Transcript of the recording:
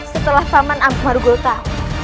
setelah paman amuk marugul tahu